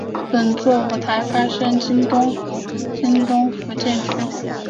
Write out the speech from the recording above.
本作舞台发生在京都府京都市伏见区。